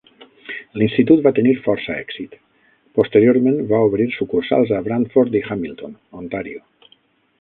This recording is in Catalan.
L'Institut va tenir força èxit, posteriorment va obrir sucursals a Brantford i Hamilton, Ontario.